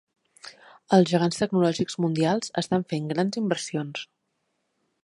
Els gegants tecnològics mundials estan fent grans inversions.